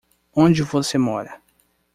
Onde você mora?